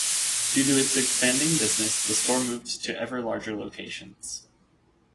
Due to its expanding business, the store moved to ever larger locations.